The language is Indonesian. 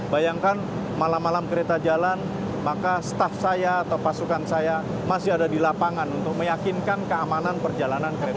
bayangkan malam malam kereta jalan maka staff saya atau pasukan saya masih ada di lapangan untuk meyakinkan keamanan perjalanan kereta